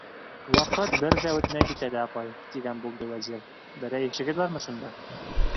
- Ваҡыт бер ҙә үтмәй бит әле, апай, - тигән булды Вәзир, - берәй эшегеҙ бармы шунда?